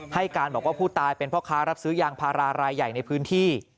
ให้การบอกว่าผู้ตายเป็นพ่อค้ารับซื้อยางพารารายใหญ่ในพื้นที่